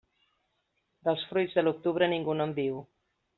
Dels fruits de l'octubre, ningú no en viu.